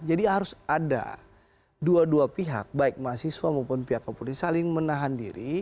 jadi harus ada dua dua pihak baik mahasiswa maupun pihak kepolis saling menahan diri